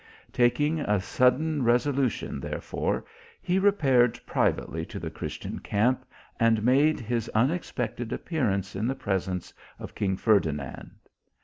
Taking a sudden resolution, therefore, he repaired privately to the Christian camp, and made his unexpected appear ance in the presence of king Ferdinand.